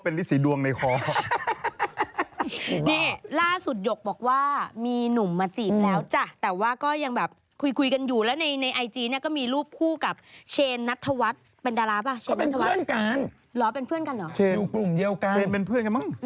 เปลงทัดเท็ปทุกวันเนี่ยเขาเป็นเพื่อนสนิทกัน